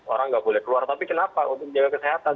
orang nggak boleh keluar tapi kenapa untuk jaga kesehatan